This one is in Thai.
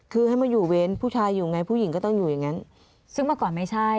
คือให้มาอยู่เว้นผู้ชายอยู่ไงผู้หญิงก็ต้องอยู่อย่างงั้นซึ่งเมื่อก่อนไม่ใช่